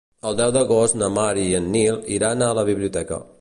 El deu d'agost na Mar i en Nil iran a la biblioteca.